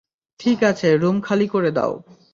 ঠিক আছে, রুম খালি করে দাও।